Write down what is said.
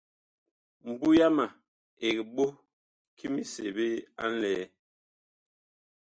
Mbu yama ɛg ɓoh ki miseɓe a nlɛɛ.